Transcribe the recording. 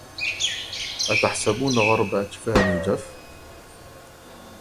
أتحسبون غرب أجفاني جف